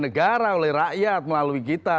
negara oleh rakyat melalui kita